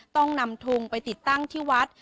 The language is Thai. ต้องนำทุงไปติดตั้งที่วัด